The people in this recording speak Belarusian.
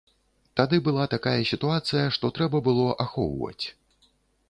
Тады была такая сітуацыя, што трэба было ахоўваць.